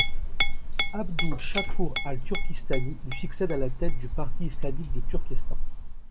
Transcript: Abdul Shakoor al-Turkistani lui succède à la tête du Parti islamique du Turkestan.